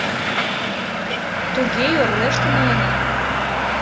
Туге йорлештын улына...